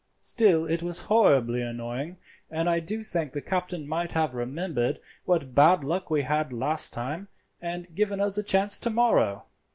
Still it was horribly annoying, and I do think the captain might have remembered what bad luck we had last time, and given us a chance to morrow."